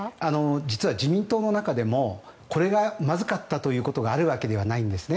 実は自民党の中でもこれがまずかったということがあるわけではないんですね。